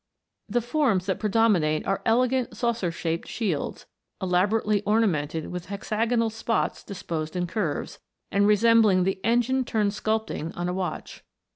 The forms that predominate are elegant saucer shaped shields, ela borately ornamented with hexagonal spots disposed in curves, and resembling the engine turned sculp turing on a watch.